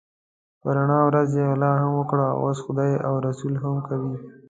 په رڼا ورځ یې غلا هم وکړه اوس خدای او رسول هم کوي.